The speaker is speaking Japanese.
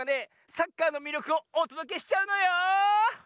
サッカーのみりょくをおとどけしちゃうのよ！